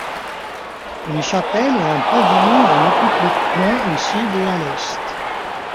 Une chapelle et un pavillon en occupent les coins au sud et à l'est.